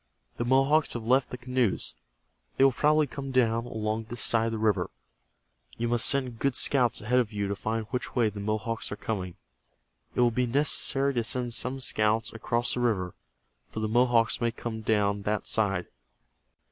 The Mohawks have left the canoes. They will probably come down along this side of the river. You must send good scouts ahead of you to find which way the Mohawks are coming. It will be necessary to send some scouts across the river, for the Mohawks may come down that side.